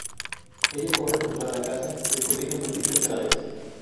Ella corre por toda la casa, descubriendo múltiples cadáveres.